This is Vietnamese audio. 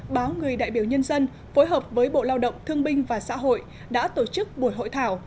báo người đại biểu nhân dân phối hợp với bộ lao động thương binh và xã hội đã tổ chức buổi hội thảo